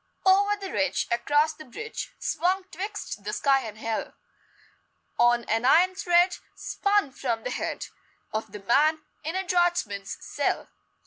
Over the ridge, Across the bridge, Swung twixt the sky and hell, On an iron thread Spun from the head Of the man in a draughtsman's cell.